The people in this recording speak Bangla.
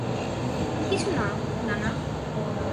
কিছু না, নানা।